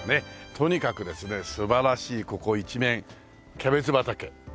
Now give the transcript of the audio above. とにかくですね素晴らしいここ一面キャベツ畑。